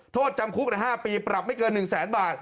โทษจำคุก๕ปีปรับไม่เกิน๑แสนบาท